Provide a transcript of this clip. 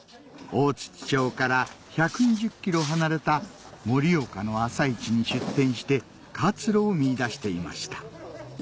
大槌町から１２０ｋｍ離れた盛岡の朝市に出店して活路を見いだしていました